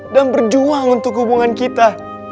dan berjuang untuk hubungan kita